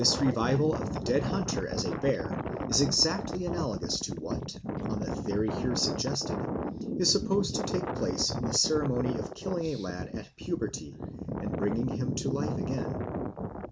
This revival of the dead hunter as a bear is exactly analogous to what, on the theory here suggested, is supposed to take place in the ceremony of killing a lad at puberty and bringing him to life again.